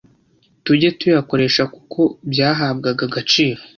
tujye tuyakoresha kuko byahabwaga agaciro